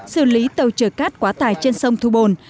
xử lý tàu chở cát quá tải trên sông thu bồn